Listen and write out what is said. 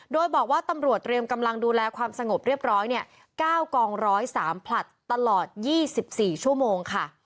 โดยบอกว่าตำรวจเตรียมกำลังดูแลความสงบเรียบร้อย๙กอง๑๐๓ผลัดตลอด๒๔ชั่วโมงค่ะ